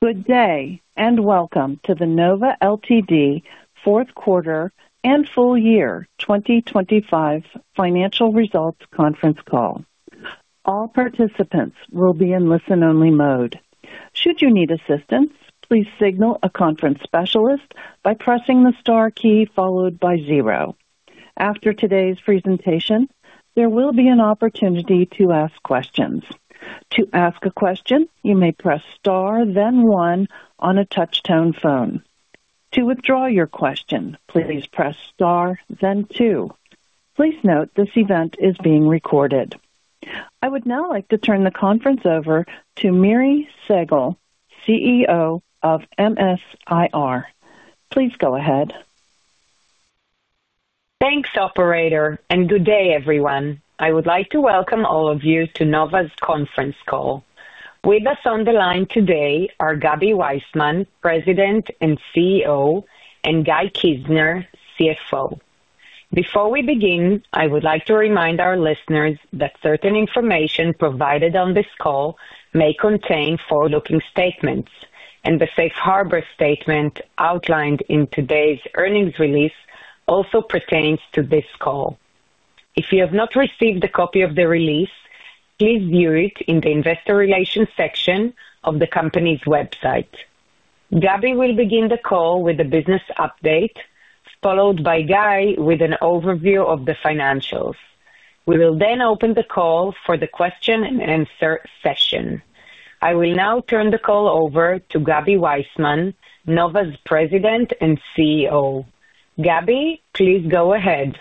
Good day, and welcome to the Nova Ltd. fourth quarter and full year 2025 financial results conference call. All participants will be in listen-only mode. Should you need assistance, please signal a conference specialist by pressing the star key followed by zero. After today's presentation, there will be an opportunity to ask questions. To ask a question, you may press star, then one on a touchtone phone. To withdraw your question, please press star, then two. Please note, this event is being recorded. I would now like to turn the conference over to Miri Segal-Scharia, CEO of MS-IR. Please go ahead. Thanks, operator, and good day, everyone. I would like to welcome all of you to Nova's conference call. With us on the line today are Gaby Waisman, President and CEO, and Guy Kizner, CFO. Before we begin, I would like to remind our listeners that certain information provided on this call may contain forward-looking statements, and the safe harbor statement outlined in today's earnings release also pertains to this call. If you have not received a copy of the release, please view it in the investor relations section of the company's website. Gaby will begin the call with a business update, followed by Guy with an overview of the financials. We will then open the call for the question and answer session. I will now turn the call over to Gaby Waisman, Nova's President and CEO. Gaby, please go ahead.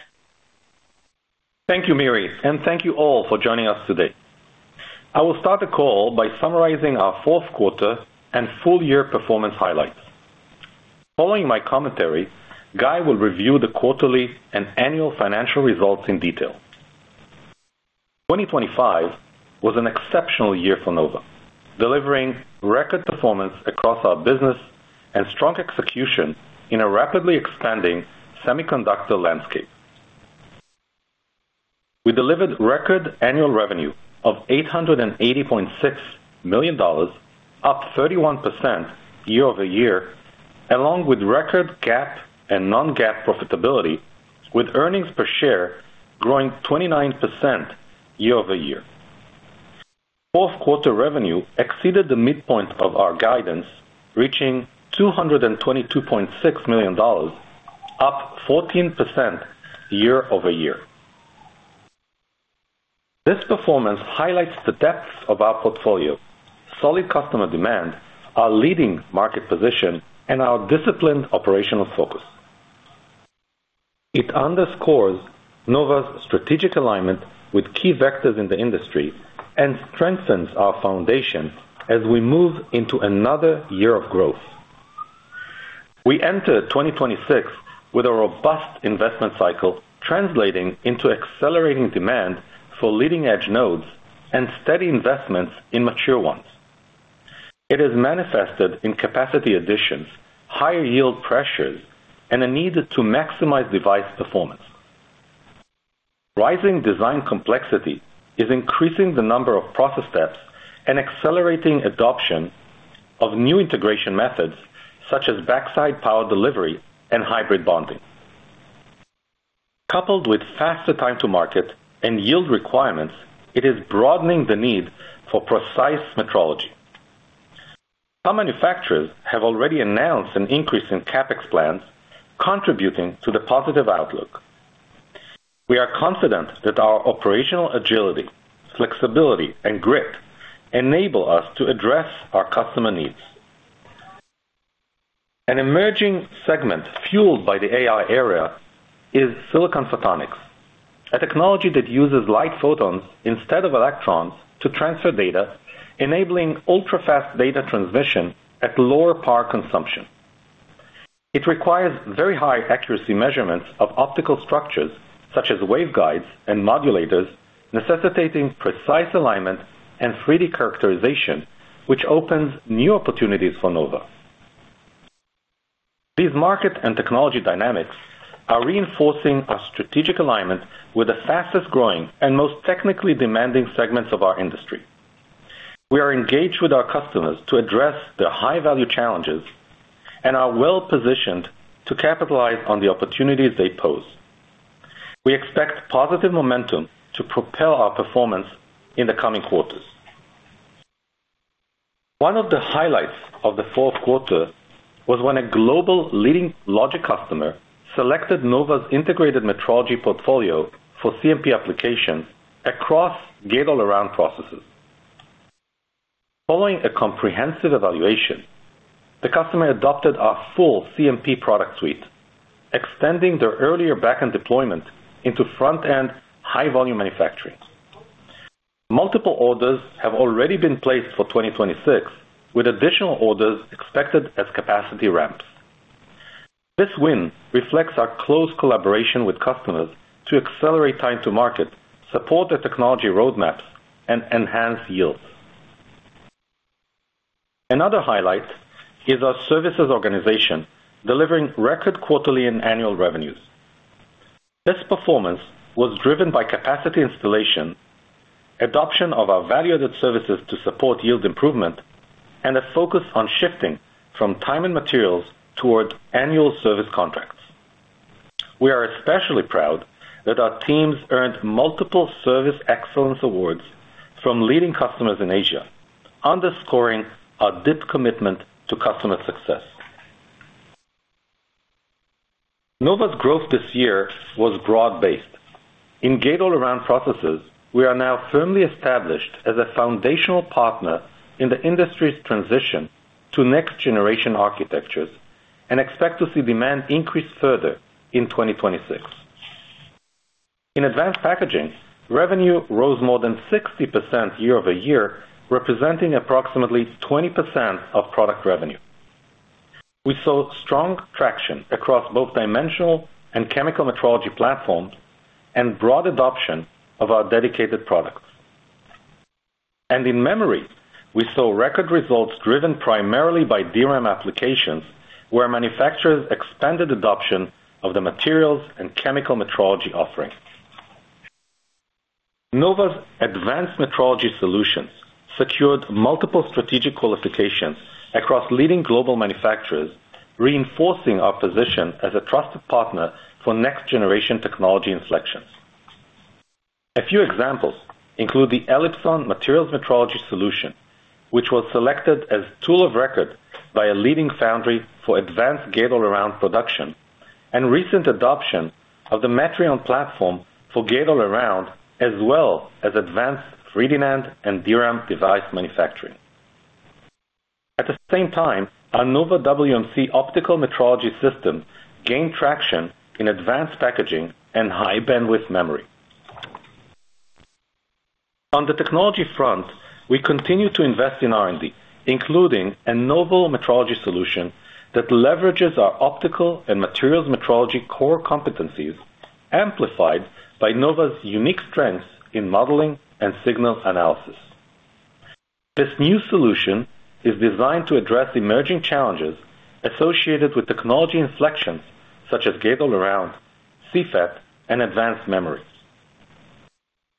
Thank you, Miri, and thank you all for joining us today. I will start the call by summarizing our fourth quarter and full year performance highlights. Following my commentary, Guy will review the quarterly and annual financial results in detail. 2025 was an exceptional year for Nova, delivering record performance across our business and strong execution in a rapidly expanding semiconductor landscape. We delivered record annual revenue of $880.6 million, up 31% year-over-year, along with record GAAP and non-GAAP profitability, with earnings per share growing 29% year-over-year. Fourth quarter revenue exceeded the midpoint of our guidance, reaching $222.6 million, up 14% year-over-year. This performance highlights the depth of our portfolio, solid customer demand, our leading market position, and our disciplined operational focus. It underscores Nova's strategic alignment with key vectors in the industry and strengthens our foundation as we move into another year of growth. We enter 2026 with a robust investment cycle, translating into accelerating demand for leading-edge nodes and steady investments in mature ones. It is manifested in capacity additions, higher yield pressures, and a need to maximize device performance. Rising design complexity is increasing the number of process steps and accelerating adoption of new integration methods, such as backside power delivery and hybrid bonding. Coupled with faster time to market and yield requirements, it is broadening the need for precise metrology. Some manufacturers have already announced an increase in CapEx plans, contributing to the positive outlook. We are confident that our operational agility, flexibility, and grit enable us to address our customer needs. An emerging segment fueled by the AI era is silicon photonics, a technology that uses light photons instead of electrons to transfer data, enabling ultrafast data transmission at lower power consumption. It requires very high accuracy measurements of optical structures such as waveguides and modulators, necessitating precise alignment and 3D characterization, which opens new opportunities for Nova. These market and technology dynamics are reinforcing our strategic alignment with the fastest-growing and most technically demanding segments of our industry. We are engaged with our customers to address their high-value challenges and are well-positioned to capitalize on the opportunities they pose. We expect positive momentum to propel our performance in the coming quarters. One of the highlights of the fourth quarter was when a global leading logic customer selected Nova's integrated metrology portfolio for CMP applications across gate all around processes. Following a comprehensive evaluation, the customer adopted our full CMP product suite, extending their earlier back-end deployment into front-end, high-volume manufacturing. Multiple orders have already been placed for 2026, with additional orders expected as capacity ramps. This win reflects our close collaboration with customers to accelerate time to market, support their technology roadmaps, and enhance yields. Another highlight is our services organization, delivering record quarterly and annual revenues.... This performance was driven by capacity installation, adoption of our value-added services to support yield improvement, and a focus on shifting from time and materials towards annual service contracts. We are especially proud that our teams earned multiple service excellence awards from leading customers in Asia, underscoring our deep commitment to customer success. Nova's growth this year was broad-based. In Gate-All-Around processes, we are now firmly established as a foundational partner in the industry's transition to next generation architectures and expect to see demand increase further in 2026. In advanced packaging, revenue rose more than 60% year-over-year, representing approximately 20% of product revenue. We saw strong traction across both dimensional and chemical metrology platforms and broad adoption of our dedicated products. In memory, we saw record results driven primarily by DRAM applications, where manufacturers expanded adoption of the materials and chemical metrology offerings. Nova's advanced metrology solutions secured multiple strategic qualifications across leading global manufacturers, reinforcing our position as a trusted partner for next generation technology selections. A few examples include the Elipson Materials Metrology Solution, which was selected as tool of record by a leading foundry for advanced Gate-All-Around production, and recent adoption of the Metrion platform for Gate-All-Around, as well as advanced 3D NAND and DRAM device manufacturing. At the same time, our Nova WMC optical metrology system gained traction in advanced packaging and High Bandwidth Memory. On the technology front, we continue to invest in R&D, including a novel metrology solution that leverages our optical and materials metrology core competencies, amplified by Nova's unique strengths in modeling and signal analysis. This new solution is designed to address emerging challenges associated with technology inflections such as Gate-All-Around, CFET, and advanced memories.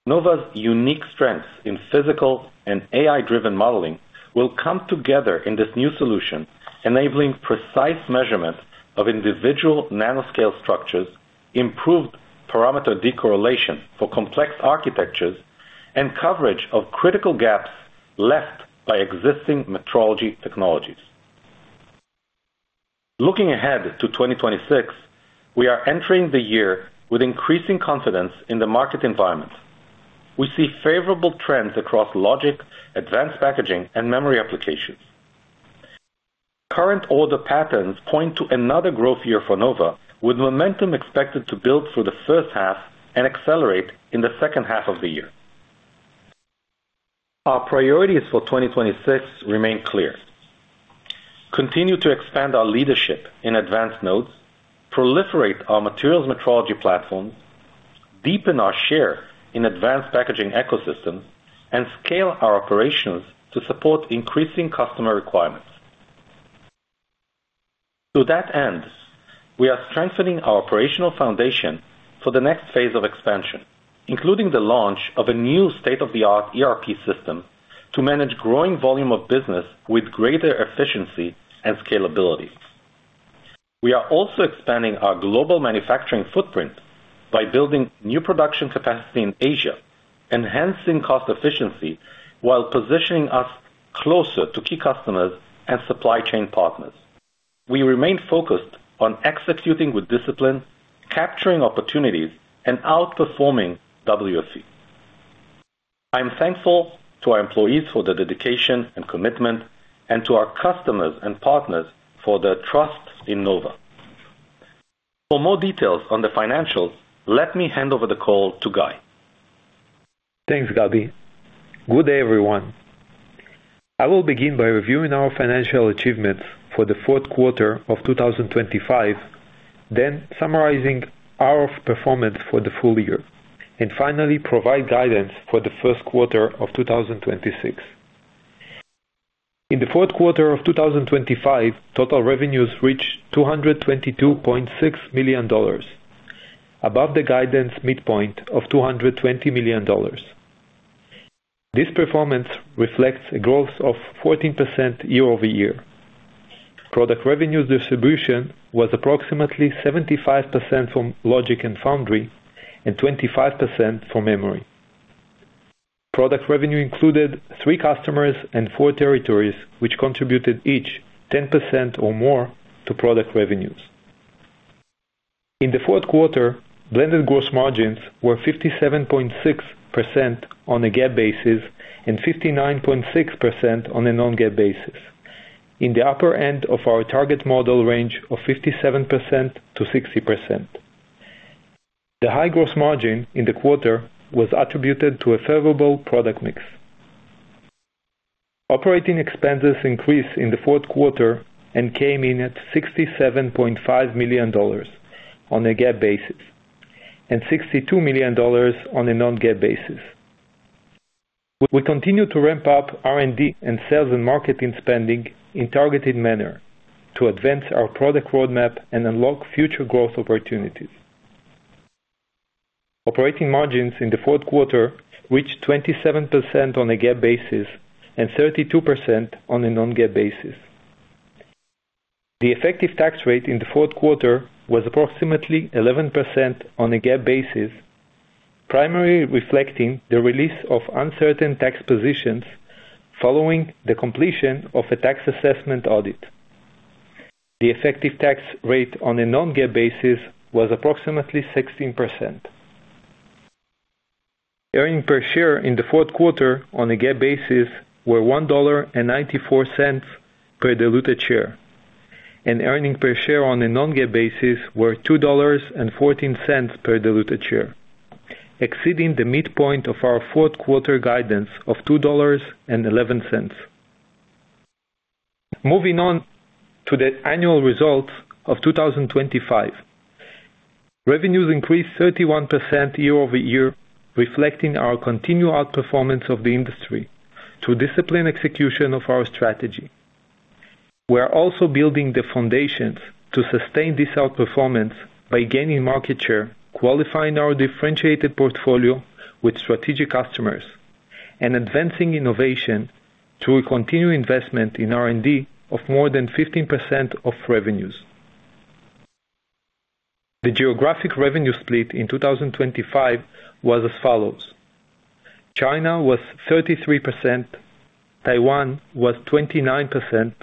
Nova's unique strengths in physical and AI-driven modeling will come together in this new solution, enabling precise measurements of individual nanoscale structures, improved parameter decorrelation for complex architectures, and coverage of critical gaps left by existing metrology technologies. Looking ahead to 2026, we are entering the year with increasing confidence in the market environment. We see favorable trends across logic, advanced packaging, and memory applications. Current order patterns point to another growth year for Nova, with momentum expected to build through the first half and accelerate in the second half of the year. Our priorities for 2026 remain clear: continue to expand our leadership in advanced nodes, proliferate our materials metrology platforms, deepen our share in advanced packaging ecosystems, and scale our operations to support increasing customer requirements. To that end, we are strengthening our operational foundation for the next phase of expansion, including the launch of a new state-of-the-art ERP system to manage growing volume of business with greater efficiency and scalability. We are also expanding our global manufacturing footprint by building new production capacity in Asia, enhancing cost efficiency, while positioning us closer to key customers and supply chain partners. We remain focused on executing with discipline, capturing opportunities, and outperforming WFE. I'm thankful to our employees for their dedication and commitment, and to our customers and partners for their trust in Nova. For more details on the financials, let me hand over the call to Guy. Thanks, Gaby. Good day, everyone. I will begin by reviewing our financial achievements for the fourth quarter of 2025, then summarizing our performance for the full year, and finally, provide guidance for the first quarter of 2026. In the fourth quarter of 2025, total revenues reached $222.6 million, above the guidance midpoint of $220 million. This performance reflects a growth of 14% year-over-year. Product revenue distribution was approximately 75% from logic and foundry, and 25% from memory. Product revenue included three customers and four territories, which contributed each 10% or more to product revenues. In the fourth quarter, blended gross margins were 57.6% on a GAAP basis and 59.6% on a non-GAAP basis. In the upper end of our target model range of 57%-60%. The high gross margin in the quarter was attributed to a favorable product mix. Operating expenses increased in the fourth quarter and came in at $67.5 million on a GAAP basis, and $62 million on a non-GAAP basis. We continue to ramp up R&D and sales and marketing spending in targeted manner to advance our product roadmap and unlock future growth opportunities. Operating margins in the fourth quarter reached 27% on a GAAP basis and 32% on a non-GAAP basis. The effective tax rate in the fourth quarter was approximately 11% on a GAAP basis, primarily reflecting the release of uncertain tax positions following the completion of a tax assessment audit. The effective tax rate on a non-GAAP basis was approximately 16%. Earnings per share in the fourth quarter on a GAAP basis were $1.94 per diluted share, and earnings per share on a non-GAAP basis were $2.14 per diluted share, exceeding the midpoint of our fourth quarter guidance of $2.11. Moving on to the annual results of 2025. Revenues increased 31% year-over-year, reflecting our continued outperformance of the industry through disciplined execution of our strategy. We are also building the foundations to sustain this outperformance by gaining market share, qualifying our differentiated portfolio with strategic customers, and advancing innovation through continued investment in R&D of more than 15% of revenues. The geographic revenue split in 2025 was as follows: China was 33%, Taiwan was 29%,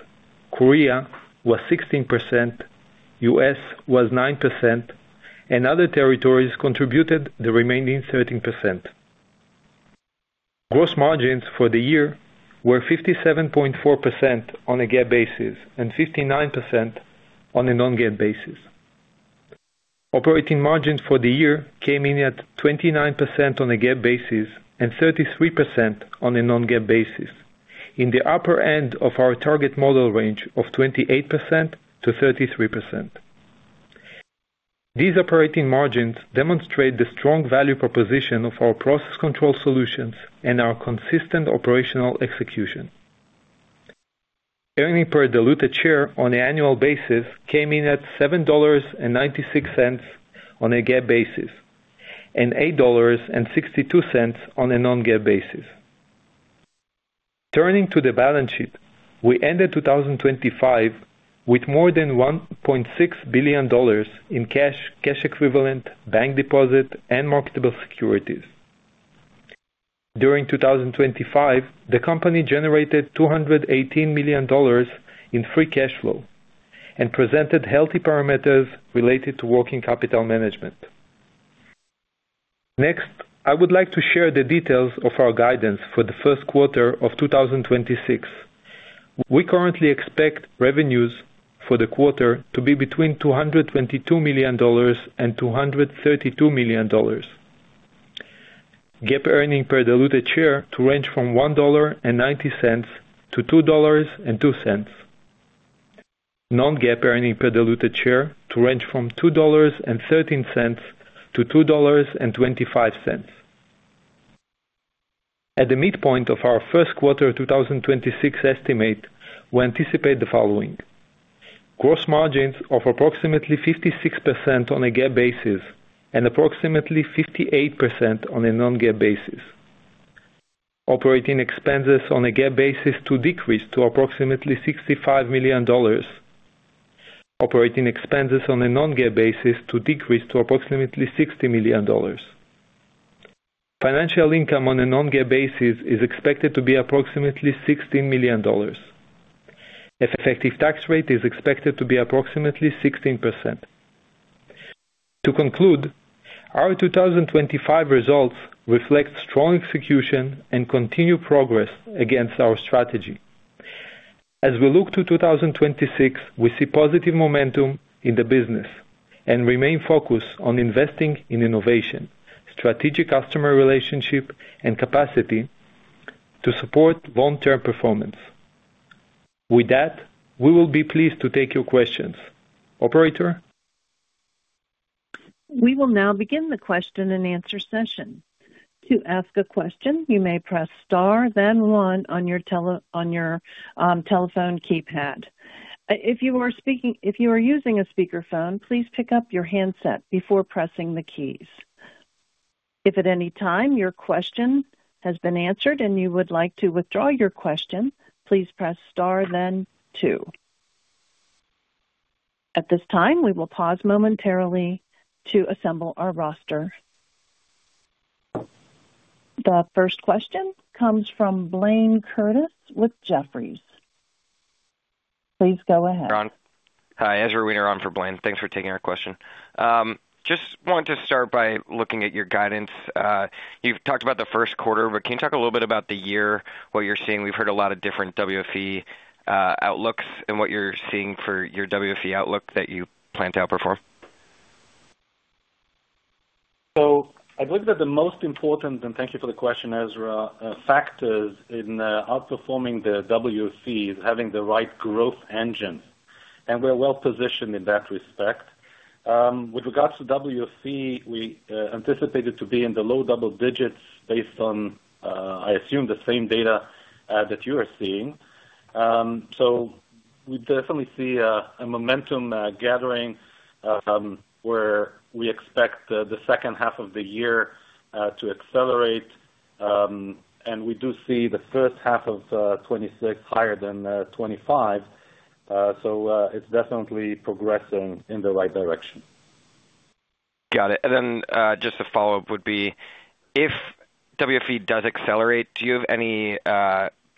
Korea was 16%, US was 9%, and other territories contributed the remaining 13%. Gross margins for the year were 57.4% on a GAAP basis and 59% on a non-GAAP basis. Operating margins for the year came in at 29% on a GAAP basis and 33% on a non-GAAP basis, in the upper end of our target model range of 28%-33%. These operating margins demonstrate the strong value proposition of our process control solutions and our consistent operational execution. Earnings per diluted share on an annual basis came in at $7.96 on a GAAP basis and $8.62 on a non-GAAP basis. Turning to the balance sheet, we ended 2025 with more than $1.6 billion in cash, cash equivalents, bank deposits, and marketable securities. During 2025, the company generated $218 million in free cash flow and presented healthy parameters related to working capital management. Next, I would like to share the details of our guidance for the first quarter of 2026. We currently expect revenues for the quarter to be between $222 million and $232 million. GAAP earnings per diluted share to range from $1.90-$2.02. Non-GAAP earnings per diluted share to range from $2.13-$2.25. At the midpoint of our first quarter of 2026 estimate, we anticipate the following: Gross margins of approximately 56% on a GAAP basis and approximately 58% on a non-GAAP basis. Operating expenses on a GAAP basis to decrease to approximately $65 million. Operating expenses on a non-GAAP basis to decrease to approximately $60 million. Financial income on a non-GAAP basis is expected to be approximately $16 million. Effective tax rate is expected to be approximately 16%. To conclude, our 2025 results reflect strong execution and continued progress against our strategy. As we look to 2026, we see positive momentum in the business and remain focused on investing in innovation, strategic customer relationship, and capacity to support long-term performance. With that, we will be pleased to take your questions. Operator? We will now begin the question-and-answer session. To ask a question, you may press star, then one on your telephone keypad. If you are speaking, if you are using a speakerphone, please pick up your handset before pressing the keys. If at any time your question has been answered and you would like to withdraw your question, please press star then two. At this time, we will pause momentarily to assemble our roster. The first question comes from Blaine Curtis with Jefferies. Please go ahead. Hi, Ezra Weener on for Blaine. Thanks for taking our question. Just want to start by looking at your guidance. You've talked about the first quarter, but can you talk a little bit about the year, what you're seeing? We've heard a lot of different WFE outlooks and what you're seeing for your WFE outlook that you plan to outperform. I believe that the most important, and thank you for the question, Ezra, factors in outperforming the WFE is having the right growth engine, and we're well positioned in that respect. With regards to WFE, we anticipated to be in the low double digits based on, I assume, the same data that you are seeing. So we definitely see a momentum gathering, where we expect the second half of the year to accelerate. And we do see the first half of 2026 higher than 2025. So it's definitely progressing in the right direction. Got it. And then, just a follow-up would be: if WFE does accelerate, do you have any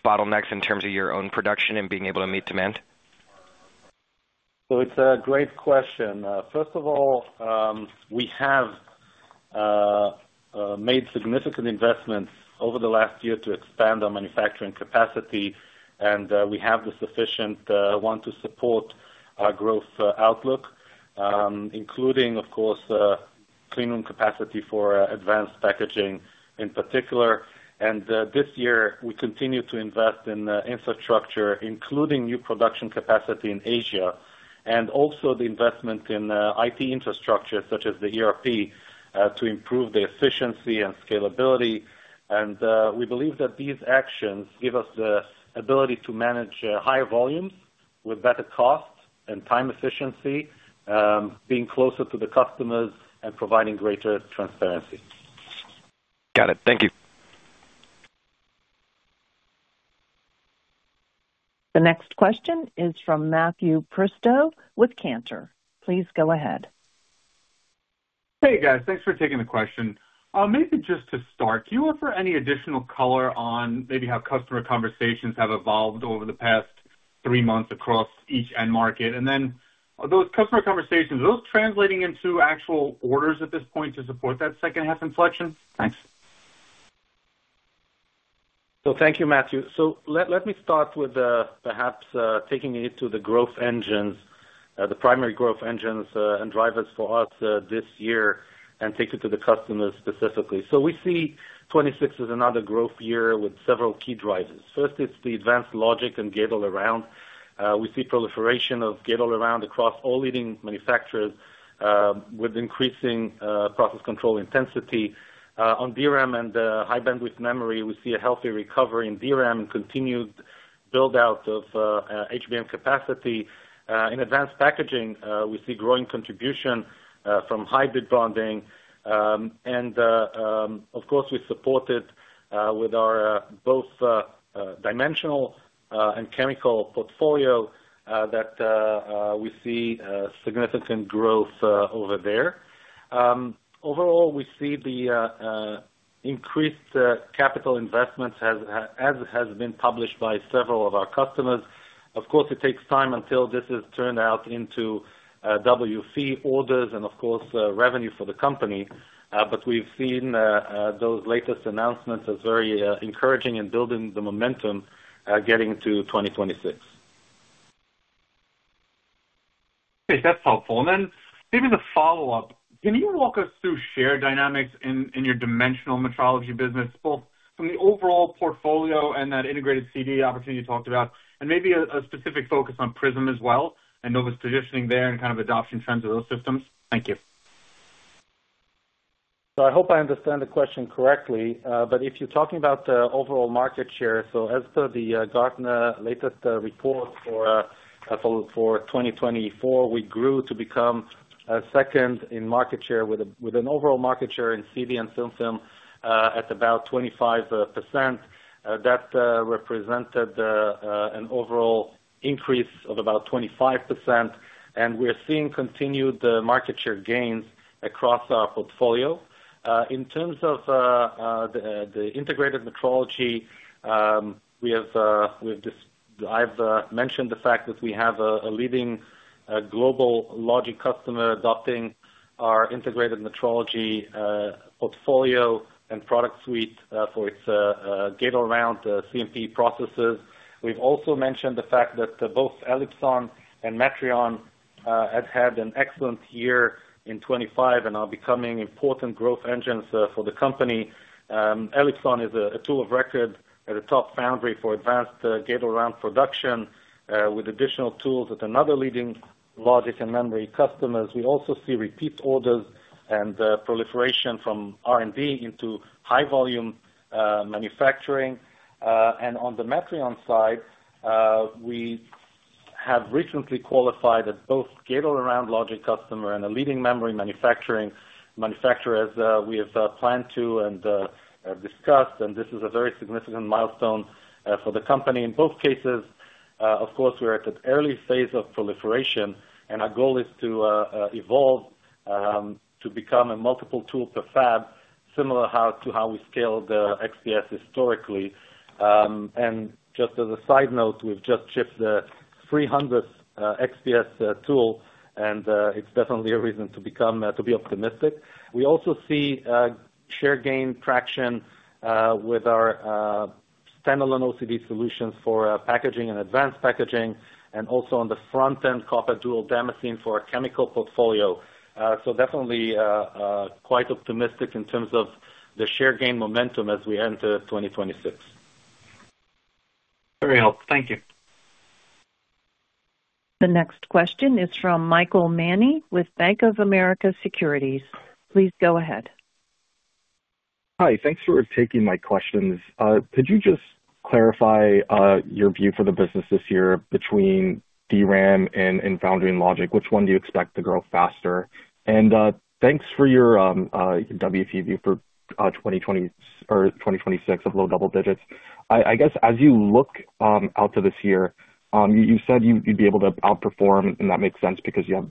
bottlenecks in terms of your own production and being able to meet demand? So it's a great question. First of all, we have made significant investments over the last year to expand our manufacturing capacity, and we have the sufficient one to support our growth outlook, including, of course, clean room capacity for advanced packaging in particular. This year, we continue to invest in infrastructure, including new production capacity in Asia, and also the investment in IT infrastructure, such as the ERP, to improve the efficiency and scalability. We believe that these actions give us the ability to manage higher volumes with better cost and time efficiency, being closer to the customers and providing greater transparency. Got it. Thank you. The next question is from Matthew Presto with Cantor. Please go ahead. Hey, guys. Thanks for taking the question. Maybe just to start, can you offer any additional color on maybe how customer conversations have evolved over the past three months across each end market? And then, are those customer conversations, are those translating into actual orders at this point to support that second half inflection? Thanks. Thank you, Matthew. Let me start with perhaps taking it to the growth engines, the primary growth engines, and drivers for us this year, and take it to the customers specifically. We see 26 as another growth year with several key drivers. First, it's the advanced logic and Gate-All-Around. We see proliferation of Gate-All-Around across all leading manufacturers with increasing process control intensity. On DRAM and high bandwidth memory, we see a healthy recovery in DRAM and continued buildout of HBM capacity. In advanced packaging, we see growing contribution from Hybrid Bonding. And of course, we support it with our both dimensional and chemical portfolio that we see significant growth over there. Overall, we see the increased capital investments as has been published by several of our customers. Of course, it takes time until this is turned out into WFE orders and, of course, revenue for the company. But we've seen those latest announcements as very encouraging in building the momentum, getting to 2026. Okay, that's helpful. And then maybe the follow-up. Can you walk us through share dynamics in your dimensional metrology business, both from the overall portfolio and that integrated CD opportunity you talked about, and maybe a specific focus on Prism as well, and what was positioning there and kind of adoption trends of those systems? Thank you. So I hope I understand the question correctly, but if you're talking about the overall market share, so as per the Gartner latest report for 2024, we grew to become second in market share with a with an overall market share in CD and film film at about 25%. That represented an overall increase of about 25%, and we're seeing continued market share gains across our portfolio. In terms of the the integrated metrology, we have we've just... I've mentioned the fact that we have a a leading global logic customer adopting our integrated metrology portfolio and product suite for its gate around CMP processes. We've also mentioned the fact that both Elipson and Metrion have had an excellent year in 2025 and are becoming important growth engines for the company. Elipson is a tool of record at a top foundry for advanced Gate-All-Around production with additional tools with another leading logic and memory customers. We also see repeat orders and proliferation from R&D into high volume manufacturing. And on the Metrion side, we have recently qualified as both Gate-All-Around logic customer and a leading memory manufacturing manufacturer, as we have planned to and discussed, and this is a very significant milestone for the company. In both cases, of course, we're at an early phase of proliferation, and our goal is to evolve to become a multiple tool per fab, similar to how we scaled XPS historically. Just as a side note, we've just shipped the 300th XPS tool, and it's definitely a reason to be optimistic. We also see share gain traction with our standalone OCD solutions for packaging and advanced packaging, and also on the front-end, Copper Dual Damascene for our chemical portfolio. So definitely quite optimistic in terms of the share gain momentum as we enter 2026. Very helpful. Thank you. The next question is from Michael Mani with Bank of America Securities. Please go ahead. Hi, thanks for taking my questions. Could you just clarify your view for the business this year between DRAM and Foundry and Logic? Which one do you expect to grow faster? And thanks for your WFE view for 2025 or 2026 of low double digits. I guess as you look out to this year, you said you'd be able to outperform, and that makes sense because you have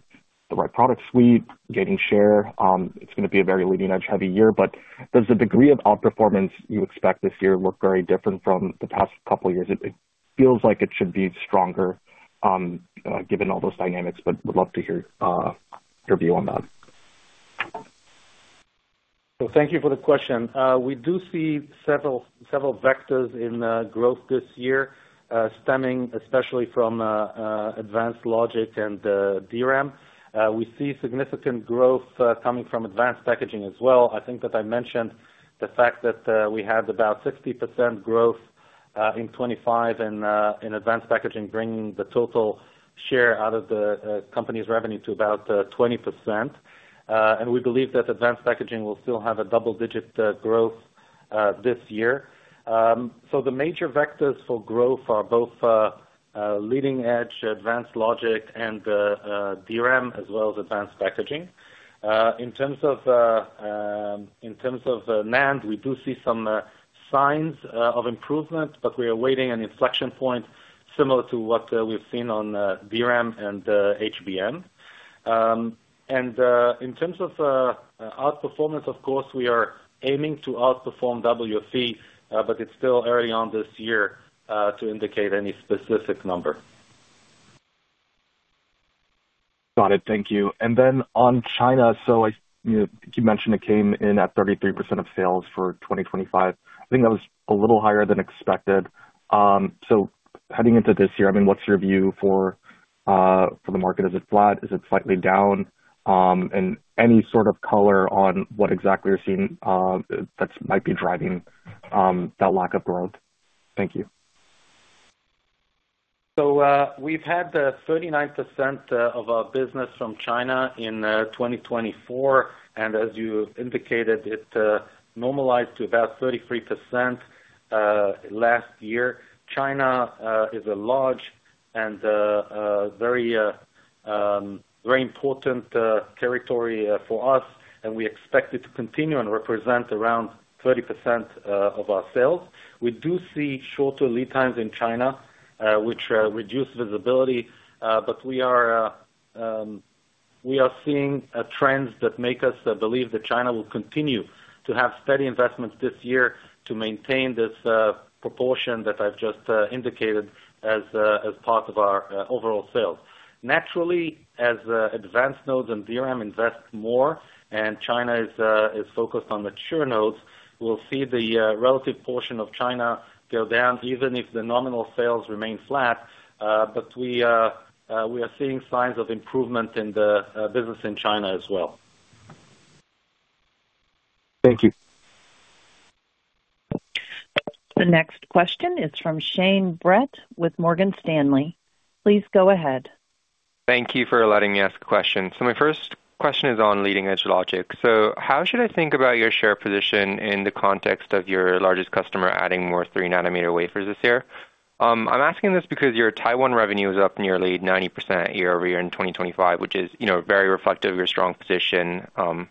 the right product suite, gaining share. It's going to be a very leading-edge heavy year, but does the degree of outperformance you expect this year look very different from the past couple of years? It feels like it should be stronger given all those dynamics, but would love to hear your view on that. So thank you for the question. We do see several, several vectors in growth this year, stemming especially from advanced logic and DRAM. We see significant growth coming from advanced packaging as well. I think that I mentioned the fact that we had about 60% growth in 2025 in advanced packaging, bringing the total share out of the company's revenue to about 20%. And we believe that advanced packaging will still have a double-digit growth this year. So the major vectors for growth are both leading edge, advanced logic and DRAM, as well as advanced packaging. In terms of NAND, we do see some signs of improvement, but we are awaiting an inflection point similar to what we've seen on DRAM and HBM. In terms of outperformance, of course, we are aiming to outperform WFE, but it's still early on this year to indicate any specific number. Got it. Thank you. And then on China, so I, you know, you mentioned it came in at 33% of sales for 2025. I think that was a little higher than expected. So heading into this year, I mean, what's your view for the market? Is it flat? Is it slightly down? And any sort of color on what exactly you're seeing that might be driving that lack of growth? Thank you. So, we've had 39% of our business from China in 2024, and as you indicated, it normalized to about 33% last year. China is a large and very important territory for us, and we expect it to continue and represent around 30% of our sales. We do see shorter lead times in China, which reduce visibility, but we are seeing trends that make us believe that China will continue to have steady investments this year to maintain this proportion that I've just indicated as part of our overall sales. Naturally, as advanced nodes and DRAM invest more and China is focused on mature nodes, we'll see the relative portion of China go down, even if the nominal sales remain flat. But we are seeing signs of improvement in the business in China as well. Thank you. The next question is from Shane Brett with Morgan Stanley. Please go ahead. Thank you for letting me ask a question. So my first question is on leading-edge logic. So how should I think about your share position in the context of your largest customer adding more three nanometer wafers this year? I'm asking this because your Taiwan revenue is up nearly 90% year-over-year in 2025, which is, you know, very reflective of your strong position. I'm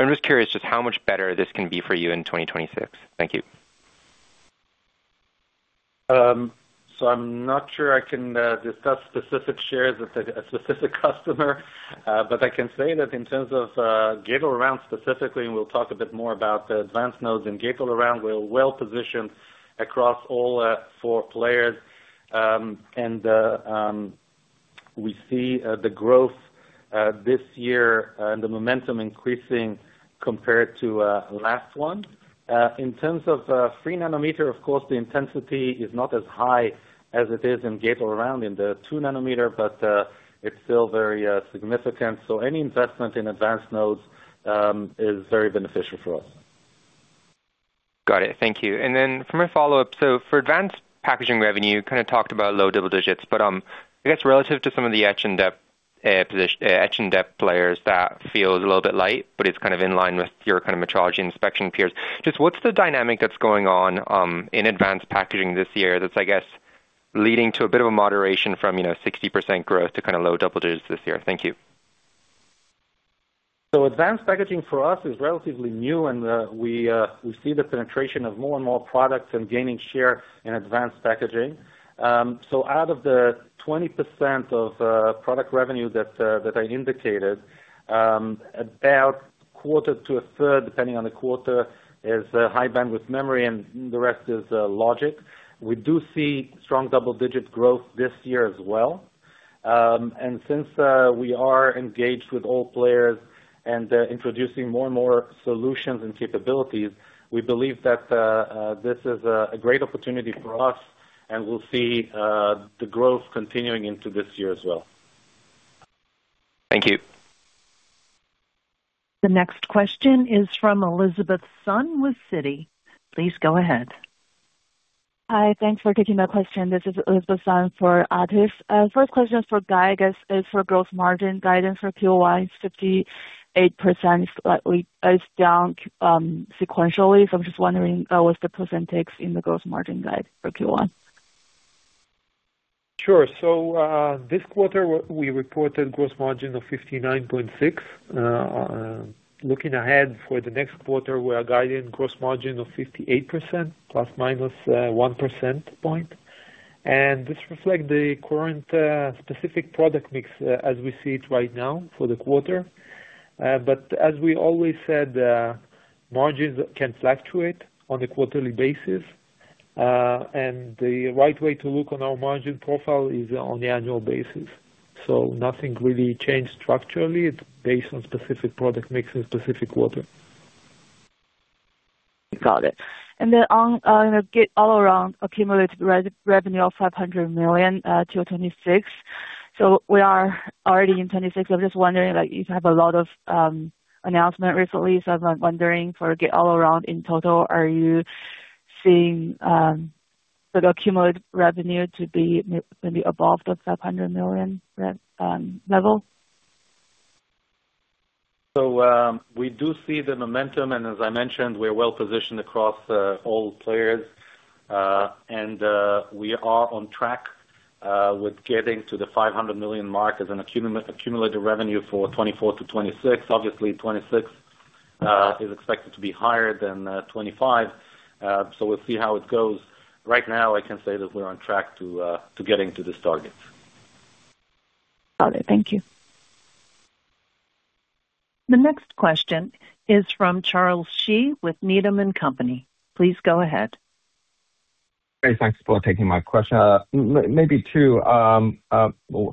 just curious just how much better this can be for you in 2026. Thank you. So I'm not sure I can discuss specific shares with a specific customer, but I can say that in terms of Gate-All-Around specifically, and we'll talk a bit more about the advanced nodes and Gate-All-Around, we're well-positioned across all four players. And we see the growth this year and the momentum increasing compared to last one. In terms of three nanometer, of course, the intensity is not as high as it is in Gate-All-Around in the two nanometer, but it's still very significant. So any investment in advanced nodes is very beneficial for us. Got it. Thank you. And then for my follow-up: So for advanced packaging revenue, you kind of talked about low double digits, but, I guess relative to some of the etch and depth position, etch and depth players, that feels a little bit light, but it's kind of in line with your kind of metrology inspection peers. Just what's the dynamic that's going on in advanced packaging this year, that's, I guess, leading to a bit of a moderation from, you know, 60% growth to kind of low double digits this year? Thank you. So advanced packaging for us is relatively new, and we see the penetration of more and more products and gaining share in advanced packaging. So out of the 20% of product revenue that I indicated, about quarter to a third, depending on the quarter, is high bandwidth memory, and the rest is logic. We do see strong double-digit growth this year as well. And since we are engaged with all players and introducing more and more solutions and capabilities, we believe that this is a great opportunity for us, and we'll see the growth continuing into this year as well. Thank you. The next question is from Elizabeth Sun with Citi. Please go ahead. Hi, thanks for taking my question. This is Elizabeth Sun for Citi. First question for Guy, I guess, is for gross margin guidance for Q4, 58%, slightly down sequentially. So I'm just wondering, what's the percentage in the gross margin guide for Q1? Sure. This quarter, we reported gross margin of 59.6%. Looking ahead for the next quarter, we are guiding gross margin of 58% plus or minus 1 percentage point. This reflects the current specific product mix as we see it right now for the quarter. But as we always said, margins can fluctuate on a quarterly basis. The right way to look on our margin profile is on the annual basis. So nothing really changed structurally. It's based on specific product mix in specific quarter. Got it. And then on Gate-All-Around accumulated revenue of $500 million to 2026. So we are already in 2026. I'm just wondering, like, you have a lot of announcement recently, so I'm wondering, for Gate-All-Around in total, are you seeing the accumulated revenue to be maybe above the $500 million revenue level? So, we do see the momentum, and as I mentioned, we're well positioned across all players. And we are on track with getting to the $500 million mark as an accumulative revenue for 2024-2026. Obviously, 2026 is expected to be higher than 2025. So we'll see how it goes. Right now, I can say that we're on track to getting to this target. Got it. Thank you. The next question is from Charles Shi with Needham and Company. Please go ahead. Hey, thanks for taking my question. Maybe two.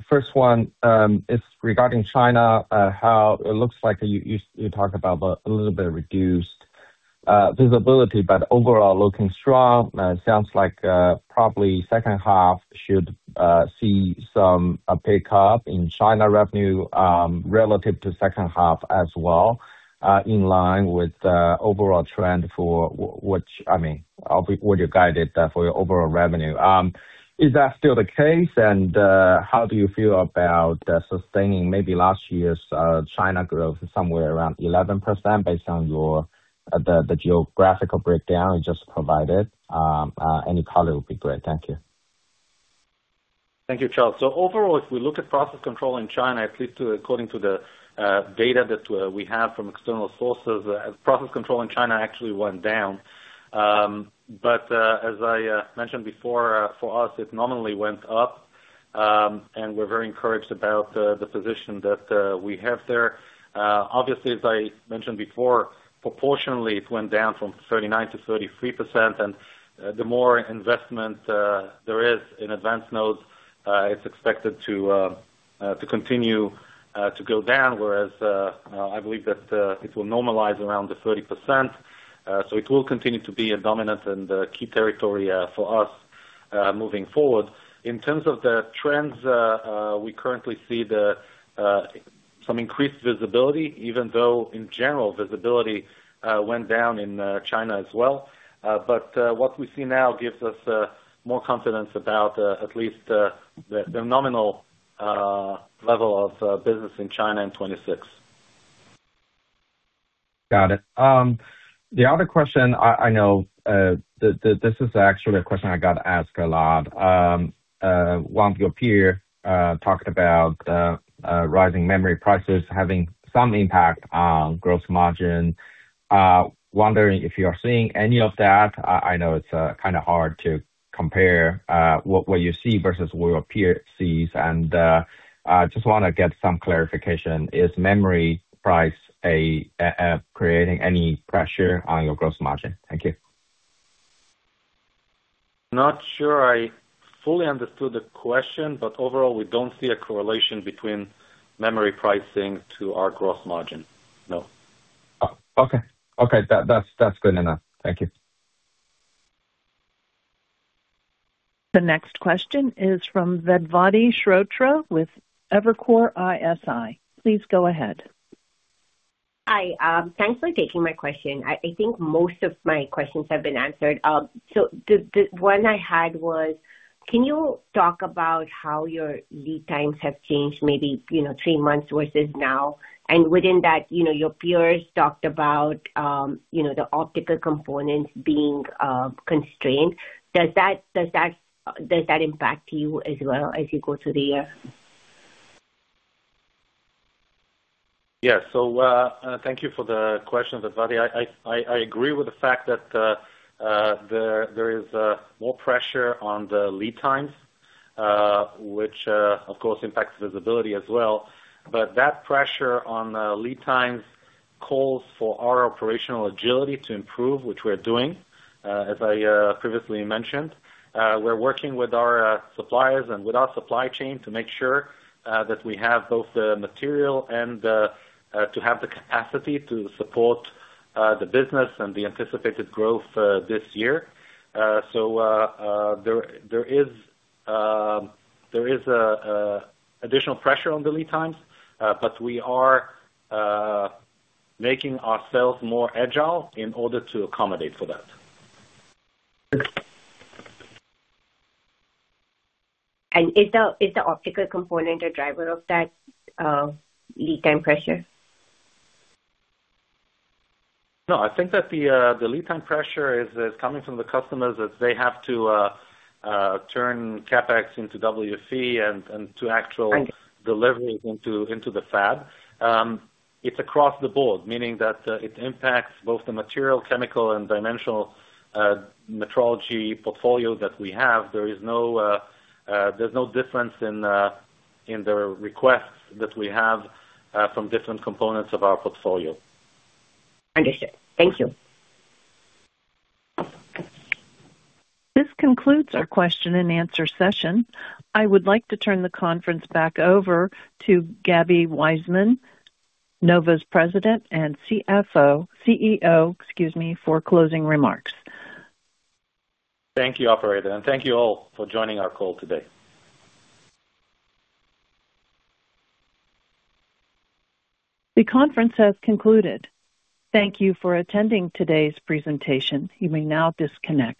First one is regarding China, how it looks like you talked about a little bit reduced visibility, but overall looking strong. It sounds like probably second half should see some pickup in China revenue relative to second half as well, in line with the overall trend for which, I mean, what you guided for your overall revenue. Is that still the case, and how do you feel about sustaining maybe last year's China growth somewhere around 11%, based on your the geographical breakdown you just provided? Any color would be great. Thank you. Thank you, Charles. So overall, if we look at process control in China, at least according to the data that we have from external sources, process control in China actually went down. But as I mentioned before, for us, it nominally went up, and we're very encouraged about the position that we have there. Obviously, as I mentioned before, proportionally, it went down from 39% to 33%, and the more investment there is in advanced nodes, it's expected to continue to go down. Whereas I believe that it will normalize around the 30%. So it will continue to be a dominant and key territory for us moving forward. In terms of the trends, we currently see some increased visibility, even though in general, visibility went down in China as well. But what we see now gives us more confidence about at least the nominal level of business in China in 2026. Got it. The other question, I know, this is actually a question I got asked a lot. One of your peer talked about rising memory prices having some impact on gross margin. Wondering if you are seeing any of that. I know it's kind of hard to compare what you see versus what your peer sees. And I just want to get some clarification. Is memory price creating any pressure on your gross margin? Thank you. Not sure I fully understood the question, but overall, we don't see a correlation between memory pricing to our gross margin. No. Oh, okay. Okay, that's good enough. Thank you. The next question is from Vedvati Shrotre with Evercore ISI. Please go ahead. Hi, thanks for taking my question. I think most of my questions have been answered. So the one I had was: Can you talk about how your lead times have changed, maybe, you know, three months versus now? And within that, you know, your peers talked about, you know, the optical components being constrained. Does that impact you as well as you go through the year? Yeah. So, thank you for the question, Vedvati. I agree with the fact that there is more pressure on the lead times, which of course impacts visibility as well. But that pressure on lead times calls for our operational agility to improve, which we're doing, as I previously mentioned. We're working with our suppliers and with our supply chain to make sure that we have both the material and to have the capacity to support the business and the anticipated growth this year. So, there is additional pressure on the lead times, but we are making ourselves more agile in order to accommodate for that. Is the optical component a driver of that lead time pressure? No, I think that the lead time pressure is coming from the customers, as they have to turn CapEx into WFE and to actual- Thank you. deliveries into the fab. It's across the board, meaning that it impacts both the material, chemical, and dimensional metrology portfolio that we have. There is no, there's no difference in the requests that we have from different components of our portfolio. Understood. Thank you. This concludes our question-and-answer session. I would like to turn the conference back over to Gaby Waisman, Nova's president and CFO... CEO, excuse me, for closing remarks. Thank you, operator, and thank you all for joining our call today. The conference has concluded. Thank you for attending today's presentation. You may now disconnect.